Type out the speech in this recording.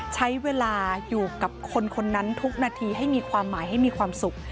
ใช้เวลาอยู่กับคนคนนั้นทุกนาทีให้มีความหมายให้มีความสุข